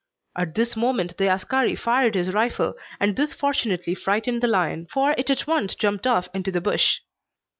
At this moment the askari fired his rifle, and this fortunately frightened the lion, for it at once jumped off into the bush.